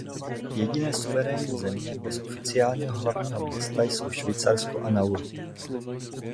Jediné suverénní země bez oficiálního hlavního města jsou Švýcarsko a Nauru.